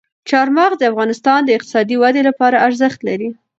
چار مغز د افغانستان د اقتصادي ودې لپاره ارزښت لري.